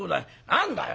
「何だよ！